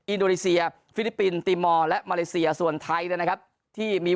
อินโดนีเซียฟิลิปปินส์ตีมอร์และมาเลเซียส่วนไทยนะครับที่มี